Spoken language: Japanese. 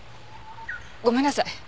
ごめんなさい。